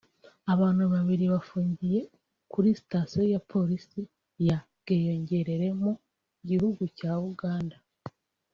Abantu babiri bafungiye kuri sitasiyo ya polisi ya Bweyogereremu gihugu cya Uganda